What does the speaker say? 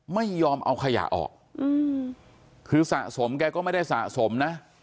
ไม่ยอมเอาขยะออกคือสะสมแกก็ไม่ได้สะสมนะ